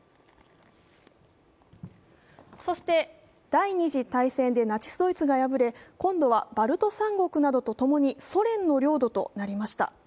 そして、第二次大戦でナチス・ドイツが敗れ、今度はバルト三国などと共にソ連の領土となりました。